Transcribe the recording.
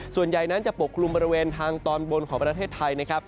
ส่วนใหญ่นั้นจะปกคลุมบริเวณทางตอนบนของประเทศไทยนะครับ